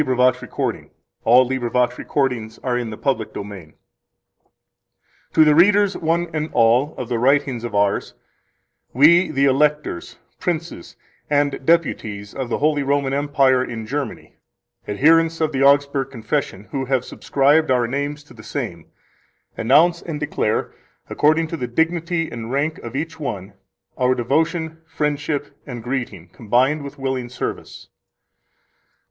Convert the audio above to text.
Other Sects PrefacePreface to the Christian Book of Concord 1 To the Readers, one and all, of these Writings of ours, we, the Electors, Princes, and Deputies of the Holy Roman Empire in Germany, adherents of the Augsburg Confession, who have subscribed our names to the same, announce and declare, according to the dignity and rank of each one, our devotion, friendship, and greeting, combined with willing service.